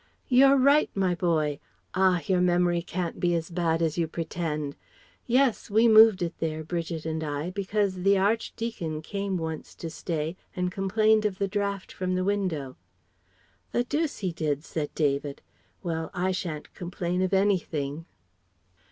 "You're right, my boy Ah! your memory can't be as bad as you pretend. Yes, we moved it there, Bridget and I, because the Archdeacon came once to stay and complained of the draught from the window." "The deuce he did!" said David. "Well, I shan't complain of anything."